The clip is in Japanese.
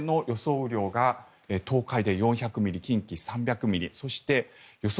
雨量が東海で４００ミリ近畿３００ミリそして、予想